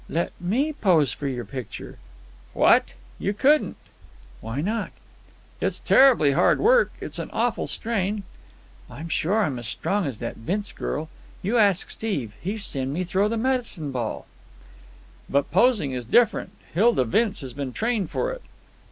"Let me pose for your picture." "What! You couldn't!" "Why not?" "It's terribly hard work. It's an awful strain." "I'm sure I'm as strong as that Vince girl. You ask Steve; he's seen me throw the medicine ball." "But posing is different. Hilda Vince has been trained for it."